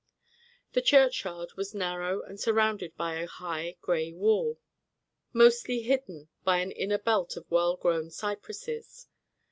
The churchyard was narrow and surrounded by a high gray wall, mostly hidden by an inner belt of well grown cypresses.